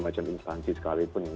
macam instansi sekalipun